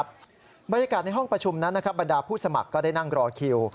บรรยากาศในห้องประชุมนั้นบรรดาผู้สมัครก็ได้นั่งรอคิว